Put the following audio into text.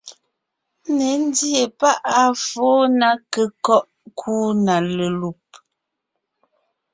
Ńne ńdíe páʼ à foo ná kékɔ́ʼ nkúu na lelùb,